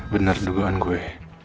bener dugaan gue